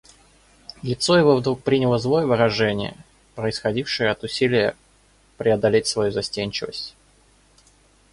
Лицо его вдруг приняло злое выражение, происходившее от усилия преодолеть свою застенчивость.